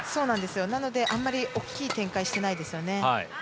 なのであまり大きい展開していないですよね。